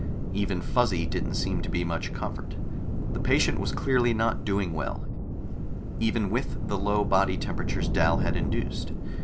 Even Fuzzy didn't seem to be much comfort. The patient was clearly not doing well, even with the low body temperatures Dal had induced.